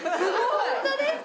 ホントですか！